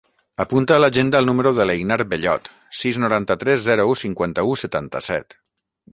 Apunta a l'agenda el número de l'Einar Bellot: sis, noranta-tres, zero, u, cinquanta-u, setanta-set.